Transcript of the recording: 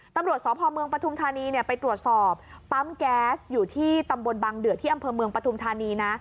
ตำรวจสพเมืองปฐุมธานีไปตรวจสอบปั๊มแก๊สอยู่ที่ตำบลบังเดือที่อำเภอเมืองปฐุมธานีนะ